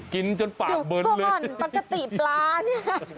กินจนปากเบิ้ลตัวมันปกติปลานี้